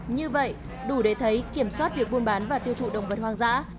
như vậy đủ để thấy kiểm soát việc buôn bán và tiêu thụ động vật hoang dã